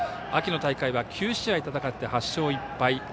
秋の大会は９試合戦って８勝１敗。